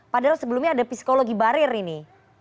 padahal sebelumnya ada psikologi barir ini